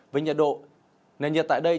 với nhiệt độ nền nhiệt tại đây